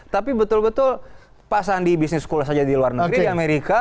tapi betul betul pak sandi bisnis sekolah saja di luar negeri di amerika